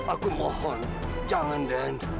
aku mohon jangan den